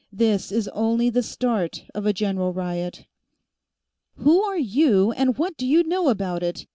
This is only the start of a general riot." "Who are you and what do you know about it?"